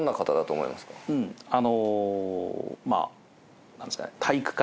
あのまぁ何ですかね。